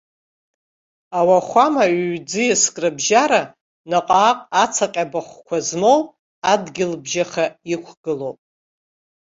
Ауахәама ҩ-ӡиаск рыбжьара наҟ-ааҟ ацаҟьа бахәқәа змоу адгьылбжьаха иқәгылоуп.